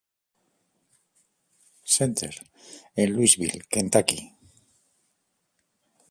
Center, en Louisville, Kentucky.